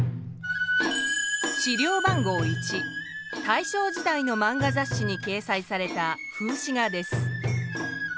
資料番号１大正時代の漫画雑誌にけいさいされた風刺画です。